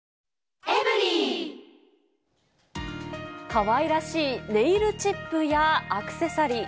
かわいらしいネイルチップやアクセサリー。